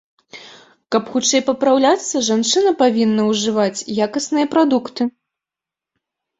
Каб хутчэй папраўляцца, жанчына павінна ўжываць якасныя прадукты.